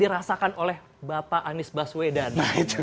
dirasakan oleh bapak anies baswedan